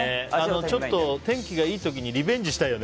ちょっと天気がいい時にリベンジしたいよね。